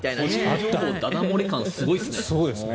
個人情報だだ漏れ感すごいですね。